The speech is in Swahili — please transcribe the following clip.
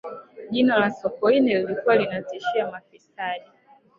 jina la sokoine lilikuwa linatishia mafisadi